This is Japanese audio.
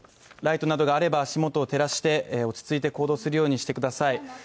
ライトなどがあれば足元を照らして落ち着いて行動するようにしてください。